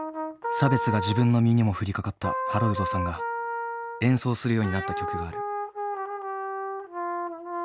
差別が自分の身にも降りかかったハロルドさんが演奏するようになった曲がある。